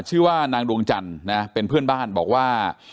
ชื่อว่านางดวงจันทร์นะเป็นเพื่อนบ้านบอกว่า